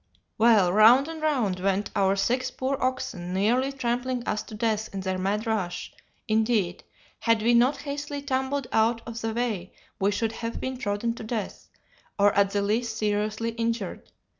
"Well, round and round went our six poor oxen, nearly trampling us to death in their mad rush; indeed, had we not hastily tumbled out of the way, we should have been trodden to death, or at the least seriously injured.